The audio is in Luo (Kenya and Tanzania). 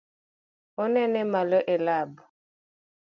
Onene malo e lab?